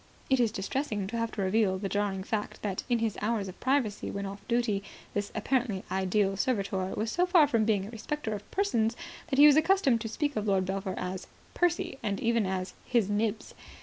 It is distressing to have to reveal the jarring fact that, in his hours of privacy when off duty, this apparently ideal servitor was so far from being a respecter of persons that he was accustomed to speak of Lord Belpher as "Percy", and even as "His Nibs".